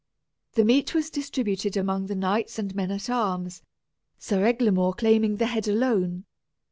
The meat was distributed among the knights and men at arms, Sir Eglamour claiming the head alone.